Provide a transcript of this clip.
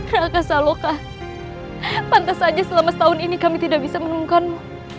raka saloka pantas saja selama setahun ini kami tidak bisa menemukanmu